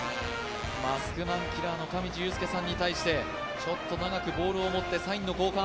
マスクマンキラーの上地雄輔さんに対してちょっと長くボールを持ってサインの交換。